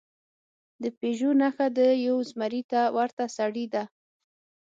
د پېژو نښه د یو زمري ته ورته سړي ده.